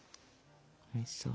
おいしそう。